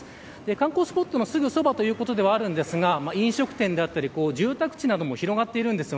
観光スポットのすぐそばということではあるんですが飲食店だったり住宅地なども広がっているんです。